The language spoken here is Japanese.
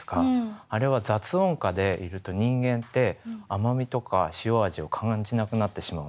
あれは雑音下でいると人間って甘みとか塩味を感じなくなってしまうんですって。